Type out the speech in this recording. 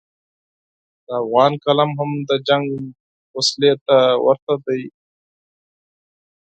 د افغان قلم هم د جنګ وسلې ته ورته دی.